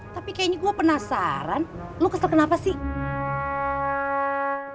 tapi kayaknya gue penasaran lu kesel kenapa sih